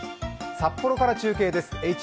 札幌から中継です。